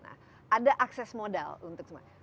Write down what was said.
nah ada akses modal untuk semuanya